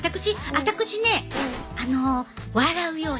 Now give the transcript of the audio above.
私ねあの笑うようにしてる。